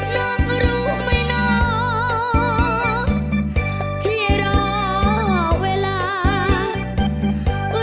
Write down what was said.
น้องรู้ไหมน้องที่รอเวลา